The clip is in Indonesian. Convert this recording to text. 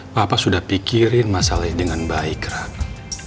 papa sudah pikirin masalahnya dengan baik rara